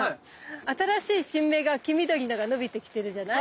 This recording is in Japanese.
新しい新芽が黄緑のが伸びてきてるじゃない？